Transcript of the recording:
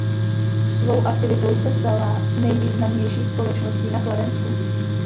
Svou aktivitou se stala nejvýznamnější společností na Kladensku.